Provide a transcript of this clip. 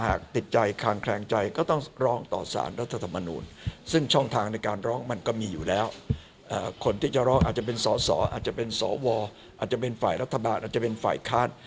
อาจจะเป็นสวอาจจะเป็นฝ่ายรัฐบาลหรืออาจจะเป็นฝ่ายคาต